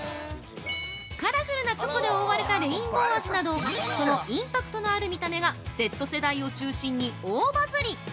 カラフルなチョコで覆われたレインボー味などそのインパクトのある見た目がＺ世代を中心に大バズり！